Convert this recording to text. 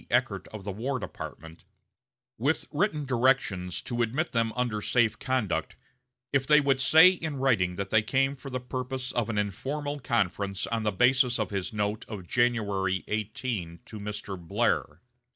Eckert, of the War Department, with written directions to admit them under safe conduct, if they would say in writing that they came for the purpose of an informal conference on the basis of his note of January 18 to Mr. Blair.